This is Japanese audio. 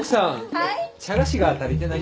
はい。